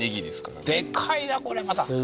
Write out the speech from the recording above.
でかいなこれまた。